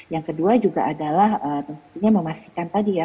yang kedua juga adalah tentunya memastikan tadi ya